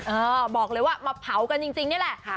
เออบอกเลยว่ามาเผากันจริงนี่แหละ